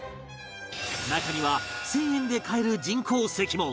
中には１０００円で買える人工石も